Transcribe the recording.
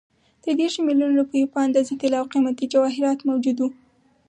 د دېرشو میلیونو روپیو په اندازه طلا او قیمتي جواهرات موجود وو.